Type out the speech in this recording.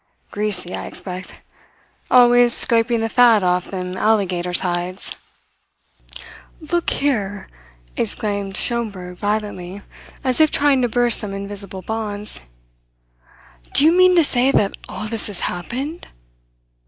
Greasy, I expect; always scraping the fat off them alligators' hides " "Look here," exclaimed Schomberg violently, as if trying to burst some invisible bonds, "do you mean to say that all this happened?"